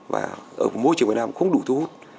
và ở môi trường việt nam không đủ thu hút